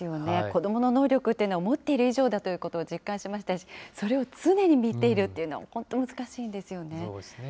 子どもの能力っていうのは思っている以上だということを実感しましたし、それを常に見ているというのは本当難しいんですよね。